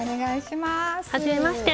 はじめまして。